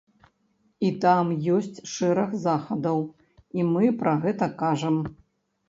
І там ёсць шэраг захадаў, і мы пра гэта кажам.